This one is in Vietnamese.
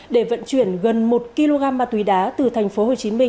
để vận chuyển gần một kg ma túy đá từ tp hcm